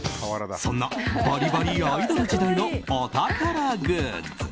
そんなバリバリアイドル時代のお宝グッズ。